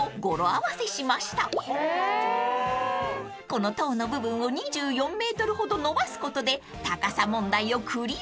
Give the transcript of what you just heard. ［この塔の部分を２４ｍほど延ばすことで高さ問題をクリア］